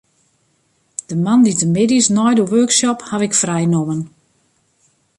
De moandeitemiddeis nei de workshop haw ik frij nommen.